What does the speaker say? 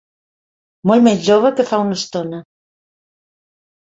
Molt més jove que fa una estona.